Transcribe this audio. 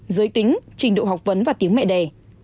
giới tính trình độ học vấn và tiếng mẹ đẻ